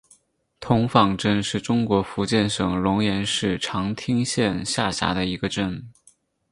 童坊镇是中国福建省龙岩市长汀县下辖的一个镇。